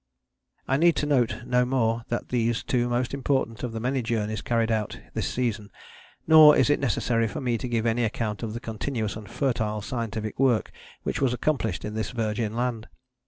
I need note no more than these two most important of the many journeys carried out this season: nor is it necessary for me to give any account of the continuous and fertile scientific work which was accomplished in this virgin land.